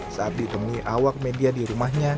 saat ditemui awak media di rumahnya